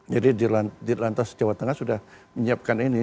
jadi di lantas jawa tengah sudah menyiapkan ini